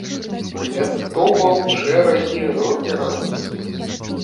Хлястова ў шэрагі рокераў!